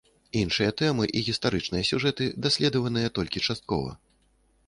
Іншыя тэмы і гістарычныя сюжэты даследаваныя толькі часткова.